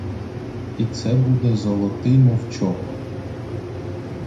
І це буде золотий мовчок!